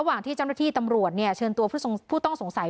วันตอน๓ทุ่มเดี๋ยวโทรไปเป็นไง